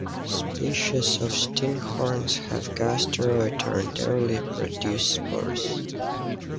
Species of stinkhorns have gasteroid, or internally produced spores.